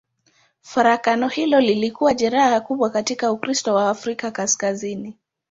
Farakano hilo lilikuwa jeraha kubwa katika Ukristo wa Afrika Kaskazini.